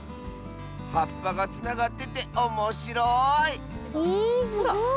はっぱがつながってておもしろいえすごい。